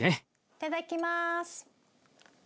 いただきます。